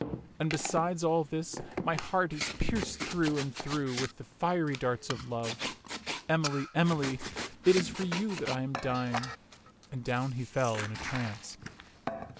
And besides all this, my heart is pierced through and through with the fiery darts of love. Emily, Emily, it is for you that I am dying "; and down he fell in a trance.